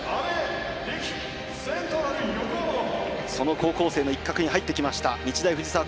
高校生の一角に入ってきました阿部。